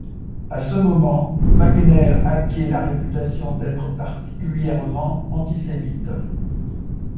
À ce moment, Wagner acquiert la réputation d'être particulièrement antisémite.